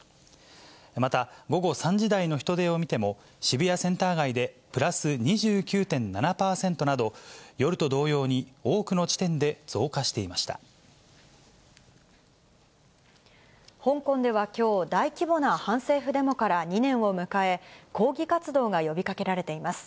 また、午後３時台の人出を見ても、渋谷センター街でプラス２９．７％など、夜と同様に多くの地点で香港ではきょう、大規模な反政府デモから２年を迎え、抗議活動が呼びかけられています。